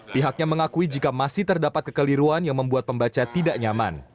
pihaknya mengakui jika masih terdapat kekeliruan yang membuat pembaca tidak nyaman